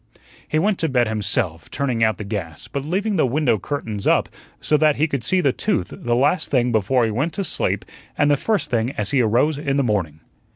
He went to bed himself, turning out the gas, but leaving the window curtains up so that he could see the tooth the last thing before he went to sleep and the first thing as he arose in the morning.